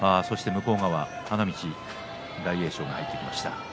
花道、大栄翔が入ってきました。